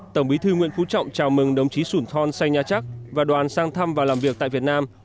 tổng bí thư nguyễn phú trọng chào mừng đồng chí sủn thon xây nhà chắc và đoàn sang thăm và làm việc tại việt nam